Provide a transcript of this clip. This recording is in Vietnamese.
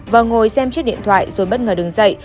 vào ngồi xem chiếc điện thoại rồi bất ngờ đứng dậy